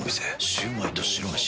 シュウマイと白めし。